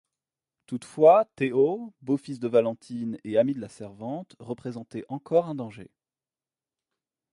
Toutefois, Théo, beau-fils de Valentine et ami de la servante, représentait encore un danger.